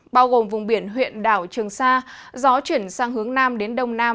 bao gồm vùng biển huyện đảo trường sa gió chuyển sang hướng nam đến đông nam